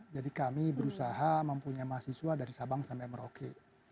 jadi kami berusaha mempunyai mahasiswa dari sabang sampai merauke